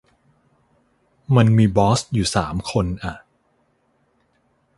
มันมีบอสอยู่สามคนอะ